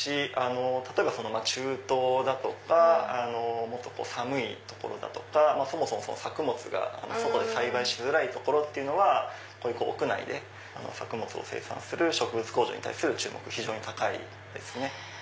例えば中東だとかもっと寒い所だとかそもそも作物が外で栽培しづらい所っていうのはこういう屋内で作物を生産する食物工場に対する注目非常に高いですね。